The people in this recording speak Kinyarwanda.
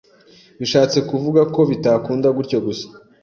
’. Bishatse kuvuga kobitakunda gutyo gusa